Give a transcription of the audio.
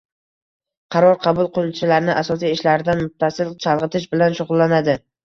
qaror qabul qiluvchilarni asosiy ishlardan muttasil chalg‘itish bilan shug‘ullanadi.